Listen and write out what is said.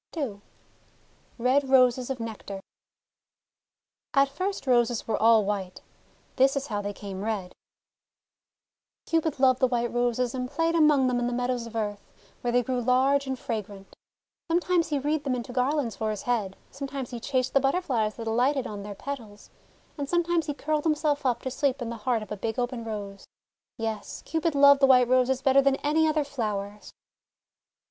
n RED ROSES OF NECTAR AT first Roses were all white. This is how they came red: — Cupid loved the White Roses and played among them in the meadows of earth, where they grew large and fragrant. Sometimes he wreathed them into garlands for his head, some times he chased the Butterflies that alighted on their petals, and sometimes he curled himself up to sleep in the heart of a big open Rose. Yes, Cupid loved the White Roses better than any other flowers.